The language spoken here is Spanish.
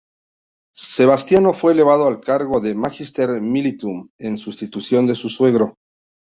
Sebastiano fue elevado al cargo de "Magister militum" en sustitución de su suegro.